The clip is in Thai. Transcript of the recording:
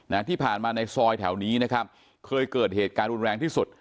ที่ผ่านมาในซอยแถวนี้นะครับเคยเกิดเหตุการณ์รุนแรงที่สุด